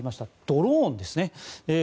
ドローンですね。